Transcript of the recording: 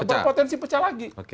berpotensi pecah lagi